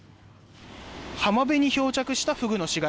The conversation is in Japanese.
浜辺に漂着したフグの死骸。